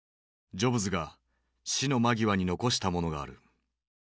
ジョブズが死の間際に残したものがある。